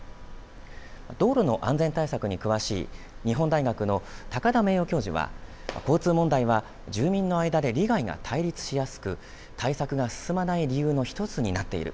道路の安全対策に詳しい日本大学の高田名誉教授は交通問題は住民の間で利害が対立しやすく対策が進まない理由の１つになっている。